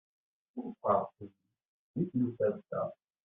Wufqeɣ-ken deg temsalt-a.